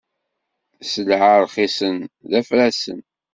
Sselɛa ṛxisen d afrasen.